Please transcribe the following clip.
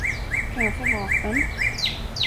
Kan jag få vapen?